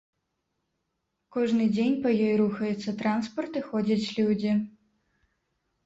Кожны дзень па ёй рухаецца транспарт і ходзяць людзі.